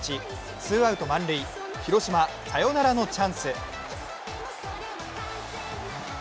ツーアウト満塁、広島サヨナラのチャンス。